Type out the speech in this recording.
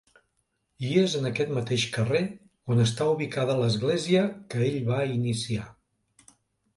I és en aquest mateix carrer on està ubicada l'església que ell va iniciar.